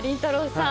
さん